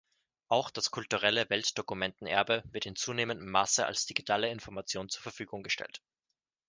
Auch das kulturelle Weltdokumentenerbe wird in zunehmendem Maße als digitale Information zur Verfügung gestellt.